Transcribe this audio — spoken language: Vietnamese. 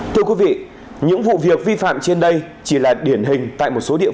thưa quý vị những vụ việc vi phạm trên đây chỉ là điển hình tại một số địa phương